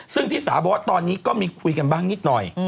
ซึ่งที่สาบอกว่าตอนนี้ก็มีคุยกันบ้างนิดหน่อย